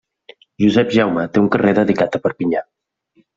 Josep Jaume té un carrer dedicat a Perpinyà.